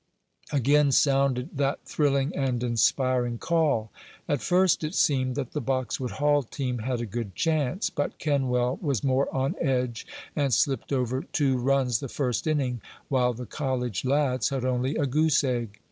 Again sounded that thrilling and inspiring call. At first it seemed that the Boxwood Hall team had a good chance. But Kenwell was more on edge, and slipped over two runs the first inning, while the college lads had only a goose egg.